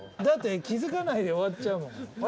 だって、気付かないで終わっちゃうよ。